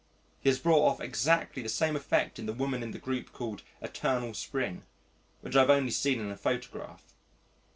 He has brought off exactly the same effect in the woman in the group called "Eternal Spring," which I have only seen in a photograph.